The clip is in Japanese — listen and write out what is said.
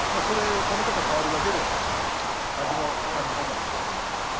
それ食べ方変わるだけで味の感じ方も違うと思います。